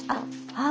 はい。